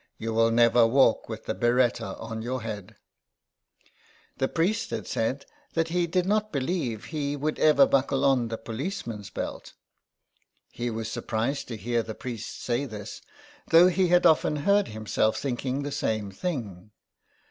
You will never walk with the biretta on your head." The 123 THE EXILE. priest had said that he did not believe he would ever buckle on the policeman's belt. He was surprised to hear the priest say this, though he had often heard himself thinking the same thing.